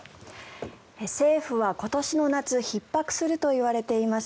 政府は今年の夏ひっ迫するといわれています